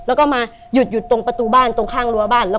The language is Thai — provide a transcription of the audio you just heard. แล้วก็มาหยุดตรงประตูบ้านตรงข้างรั้วบ้าน